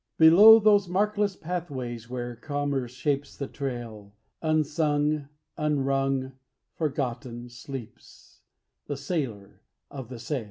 Below those markless pathways where commerce shapes the trail, Unsung, unrung, forgotten, sleeps The Sailor of The Sail.